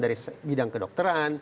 dari bidang kedokteran